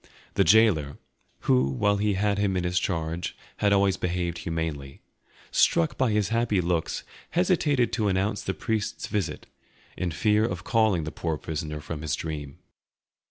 The gaoler, who while he had had him in his charge had always behaved humanely, struck by his happy looks, hesitated to announce the priest's visit, in fear of calling the poor prisoner from his dream.